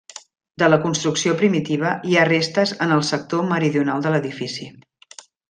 De la construcció primitiva hi ha restes en el sector meridional de l'edifici.